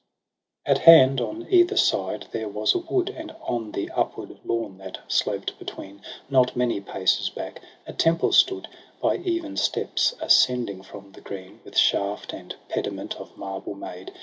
r At hand on either side there was a wood j And on the upward lawn, that sloped between. Not many paces back a temple stood. By even steps ascending from the green ; With shaft and pediment of marble made.